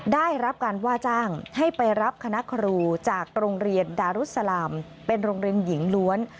ได้รับการว่าจ้างให้ไปรับคณะครูจากโรงเรียนดารุสลามเป็นโรงเรียนหญิงล้วน